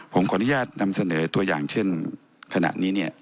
ผมขออนุญาตนำเสนอตัวอย่างเช่นขณะนี้เนี่ย